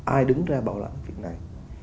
ai đứng ra bảo lãnh việc này